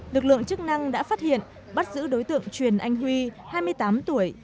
lực lượng chức năng đã phát hiện bắt giữ đối tượng truyền anh huy hai mươi tám tuổi